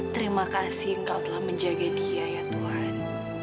terima kasih engkau telah menjaga dia ya tuhan